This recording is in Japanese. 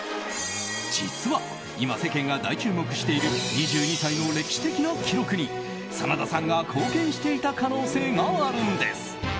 実は今、世間が大注目している２２歳の歴史的な記録に真田さんが貢献していた可能性があるんです。